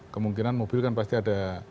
kemungkinan mobil kan pasti ada